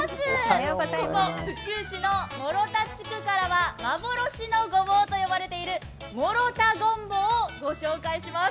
ここ府中市の諸田地区からは幻のごぼうと呼ばれている諸田ごんぼうをご紹介します。